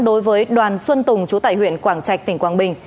đối với đoàn xuân tùng chú tại huyện quảng trạch tỉnh quảng bình